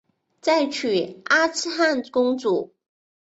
再娶阿剌罕公主。